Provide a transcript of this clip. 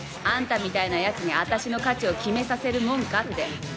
あんたみたいなやつに、あたしの価値を決めさせるもんかって。